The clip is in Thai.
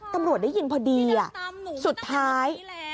ตำรวจได้ยิงพอดีสุดท้าย